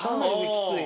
きつい。